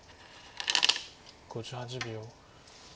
５８秒。